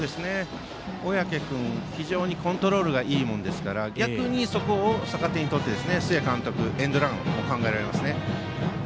小宅君は非常にコントロールがいいものですから逆に、そこを逆手にとって須江監督、エンドランも考えられますね。